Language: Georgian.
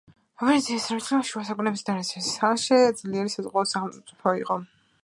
ვენეციის რესპუბლიკა შუა საუკუნეებისა და რენესანსის ხანაში ძლიერი საზღვაო სახელმწიფო იყო.